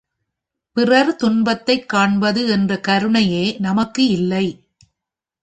பிறர் துன்பத்தைக் காண்பது என்ற கருணையே நமக்கு இல்லை.